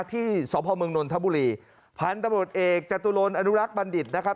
ที่สพนมทะบุรีผ่านตำรวจเอกจตุรนต์อนุรักษ์บัณฑิตนะครับ